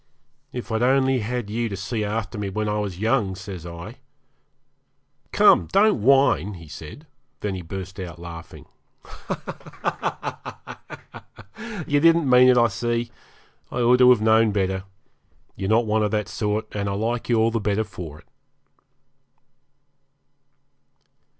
'If I'd only had you to see after me when I was young,' says I 'Come; don't whine,' he said, then he burst out laughing. 'You didn't mean it, I see. I ought to have known better. You're not one of that sort, and I like you all the better for it.'